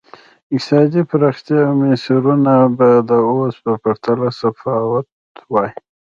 اقتصادي پراختیا مسیرونه به د اوس په پرتله متفاوت وای.